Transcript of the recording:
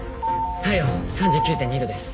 体温３９．２度です。